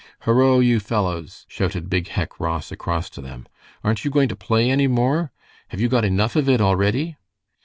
"Horo, you fellows!" shouted big Hec Ross across to them, "aren't you going to play any more? Have you got enough of it already?"